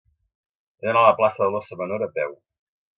He d'anar a la plaça de l'Óssa Menor a peu.